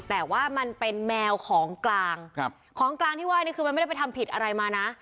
แต่ว่ามันเป็นแมวของกลางครับของกลางที่ว่านี่คือมันไม่ได้ไปทำผิดอะไรมานะ